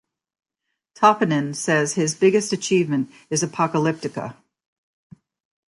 Toppinen says his biggest achievement is Apocalyptica.